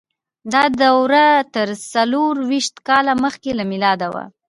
دا دوره تر څلور ویشت کاله مخکې له میلاده وه.